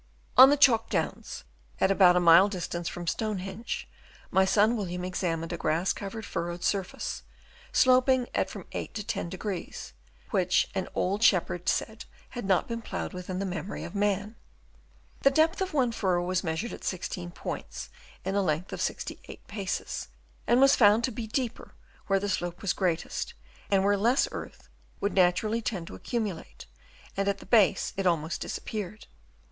On the Chalk Downs at about a mile dis tance from Stonehenge, my son William ex amined a grass covered, furrowed surface, sloping at from 8° to 10°, which an old shep herd said had not been ploughed within the memory of man. The depth of one furrow was measured at 16 points in a length of 68 paces, and was found to be deeper where the slope was greatest and where less earth would naturally tend to accumulate, and at the base it almost disappeared.